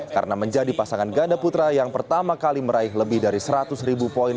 karena menjadi pasangan ganda putra yang pertama kali meraih lebih dari seratus ribu poin